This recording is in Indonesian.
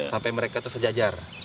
sampai mereka itu sejajar